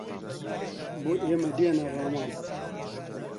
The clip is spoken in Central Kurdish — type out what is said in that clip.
بۆ ئێمەی دێنا ڕاماڵ